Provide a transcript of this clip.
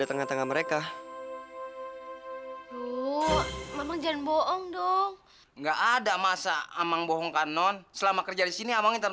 katanya kamu mau ngomong sesuatu sama aku